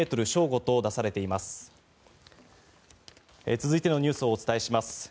続いてのニュースをお伝えします。